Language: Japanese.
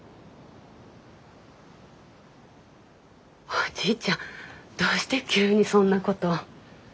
おじいちゃんどうして急にそんなこと。